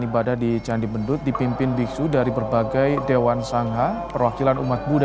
ibadah di candi bendut dipimpin biksu dari berbagai dewan shangha perwakilan umat buddha